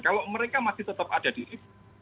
kalau mereka masih tetap ada di itu